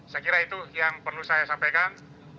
saya kira itu yang perlu saya sampaikan